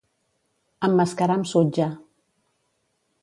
Emmascarar amb sutge.